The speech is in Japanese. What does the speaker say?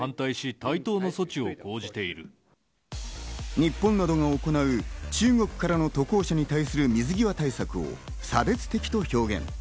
日本などが行う、中国からの渡航者に対する水際対策を差別的と表現。